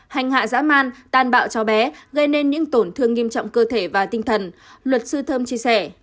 hành hạ dã man tan bạo cháu bé gây nên những tổn thương nghiêm trọng cơ thể và tinh thần luật sư thơm chia sẻ